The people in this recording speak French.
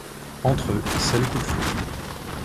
Entre eux, c'est le coup de foudre.